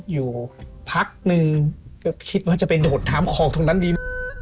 อยู่พักนึงก็คิดว่าจะไปโดดน้ำคลองตรงนั้นดี